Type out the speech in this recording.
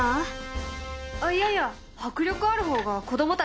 あっいやいや迫力ある方が子どもたちも喜ぶと思うよ。